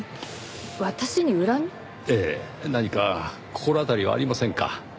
何か心当たりはありませんか？